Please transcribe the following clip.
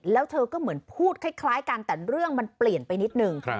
แล้วเธอก็เหมือนพูดคล้ายกันแต่เรื่องมันเปลี่ยนไปนิดนึง